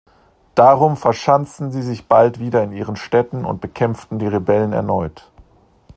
Darum verschanzten sie sich bald wieder in ihren Städten und bekämpften die Rebellen erneut.